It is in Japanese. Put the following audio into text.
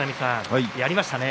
やりましたね。